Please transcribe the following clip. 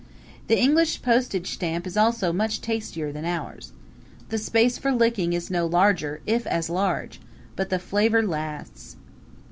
The English postage stamp is also much tastier than ours. The space for licking is no larger, if as large but the flavor lasts.